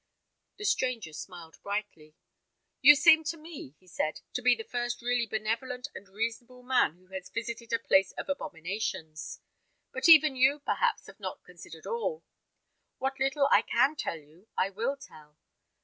The stranger smiled brightly. "You seem to me," he said, "to be the first really benevolent and reasonable man who has visited a place of abominations. But even you, perhaps, have not considered all. What little I can tell you, I will tell.